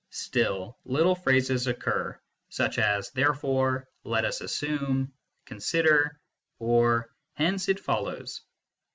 Still, little phrases occur, such as therefore, let us assume, consider, or hence it follows.